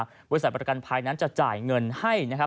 วิทยาลัยศาสตร์ปราการภารกิรภัยจะจ่ายเงินให้นะครับ